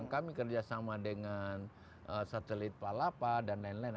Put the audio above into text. kami kerjasama dengan satelit pak lapa dan lain lain